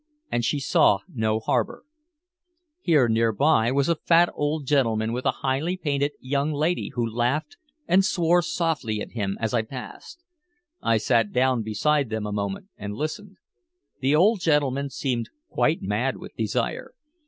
And she saw no harbor. Here near by was a fat old gentleman with a highly painted young lady who laughed and swore softly at him as I passed. I sat down beside them a moment and listened. The old gentleman seemed quite mad with desire.